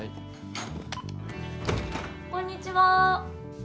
ピッこんにちは。